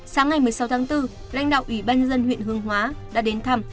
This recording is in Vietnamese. sáng ngày một mươi sáu tháng bốn lãnh đạo ủy ban dân huyện hương hóa đã đến thăm